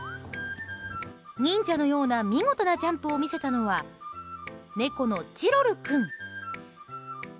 忍者のような見事なジャンプを見せたのは猫のチロル君。